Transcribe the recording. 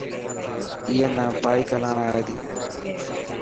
اي نا بائڪ هلائڻ آئي تي.